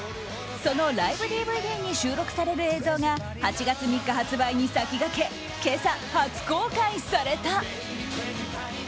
そのライブＤＶＤに収録される映像が８月３日発売に先駆け今朝、初公開された。